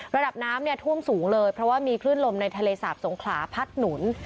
ระดับน้ำเนี่ยท่วมสูงเลยเพราะว่ามีคลื่นลมในทะเลสาบสงขลาพัดหนุน